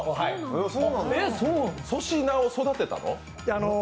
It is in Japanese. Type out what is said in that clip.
粗品を育てたの？